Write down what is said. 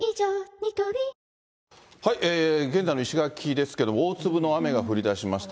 ニトリ現在の石垣ですけど、大粒の雨が降りだしました。